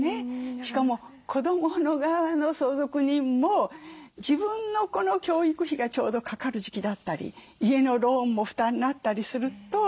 しかも子どもの側の相続人も自分の子の教育費がちょうどかかる時期だったり家のローンも負担になったりすると。